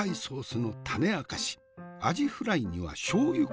アジフライにはしょうゆか？